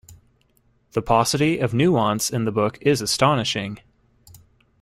The paucity of nuance in the book is astonishing.